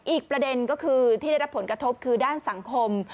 อีกประเด็นก็คือที่ได้รับผลกระทบคือด้านสังคม